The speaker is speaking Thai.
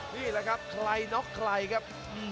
นะครับใครนอกใครนะครับ